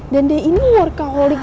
dan dia ini workaholic